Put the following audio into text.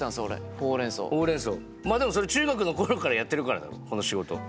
でもそれ中学の頃からやってるからだろこの仕事。